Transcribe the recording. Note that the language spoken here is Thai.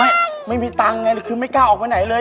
ไม่มีตังค์ไงคือไม่กล้าออกไปไหนเลย